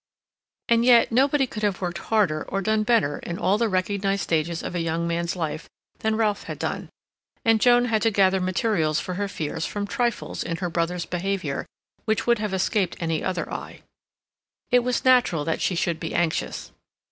And yet nobody could have worked harder or done better in all the recognized stages of a young man's life than Ralph had done, and Joan had to gather materials for her fears from trifles in her brother's behavior which would have escaped any other eye. It was natural that she should be anxious.